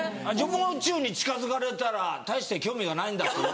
もう中に近づかれたら大して興味がないんだって思う。